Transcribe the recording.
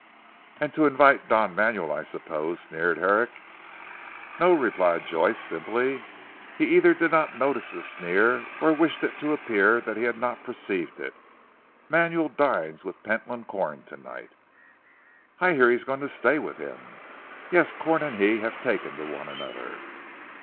"And to invite Don Manuel I suppose," sneered Herrick. "No," replied Joyce simply. He either did not notice the sneer, or wished it to appear that he had not perceived it. "Manuel dines with Pentland Corn to night." "I hear he is going to stay with him." "Yes, Corn and he have taken to one another."